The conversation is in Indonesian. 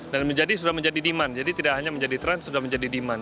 dan menjadi sudah menjadi demand jadi tidak hanya menjadi tren sudah menjadi demand